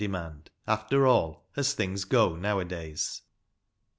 215 demand, after all, as things go nowadays.